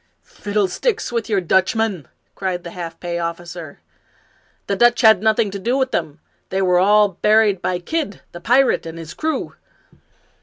" Fiddlestick with your Dutchmen !" cried the half pay officer. " The Dutch had nothing to do with them. They were all buried by Kidd the pirate, and his crew."